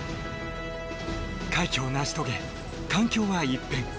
快挙を成し遂げ、環境は一変。